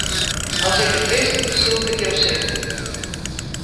As ik it wist, soe ik it jo sizze.